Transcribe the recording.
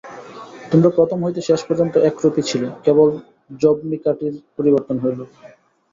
তোমরা প্রথম হইতে শেষ পর্যন্ত একরূপই ছিলে, কেবল যবনিকাটির পরিবর্তন হইল।